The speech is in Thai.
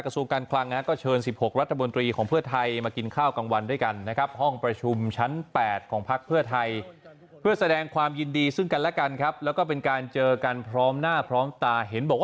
ดูรายละเอียดกันหน่อยนะครับ